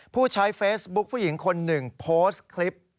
ผู้ใช้เฟซบุ๊คผู้หญิงคนหนึ่งโพสต์คลิป